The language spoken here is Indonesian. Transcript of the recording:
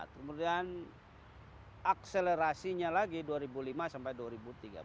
kemudian akselerasinya lagi dua ribu lima sampai dua ribu tiga puluh